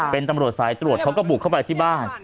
เป็นตำรวจสายตรวจเขาก็บุกเข้าไปที่บ้าน